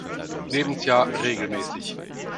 Lebensjahr regelmäßig.